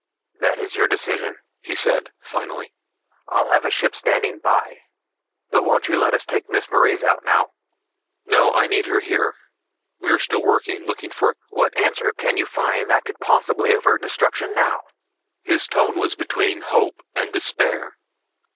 "That is your decision," he said finally. "I'll have a ship standing by. But won't you let us take Miss Morees out now?" "No. I need her here. We are still working, looking for " "What answer can you find that could possibly avert destruction now?" His tone was between hope and despair.